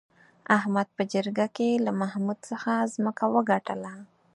احمد په جرگه کې له محمود څخه ځمکه وگټله